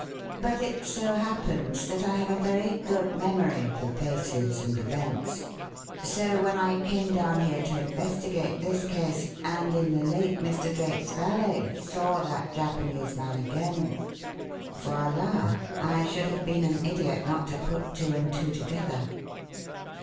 But it so happens that I have a very good memory for faces and events, so when I came down here to investigate this case, and in the late Mr. Drake's valet saw that Japanese man again voila! I should have been an idiot not to put two and two together.